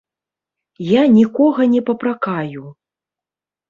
Я нікога не папракаю.